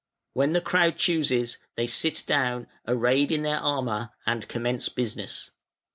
When the crowd chooses, they sit down, arrayed in their armour (and commence business).